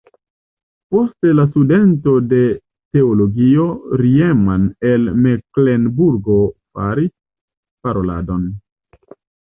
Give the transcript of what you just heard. Poste la studento de teologio Riemann el Meklenburgo faris paroladon.